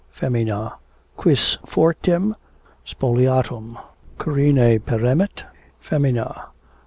Femina. Quis fortem spoliatum crine peremit? Femina.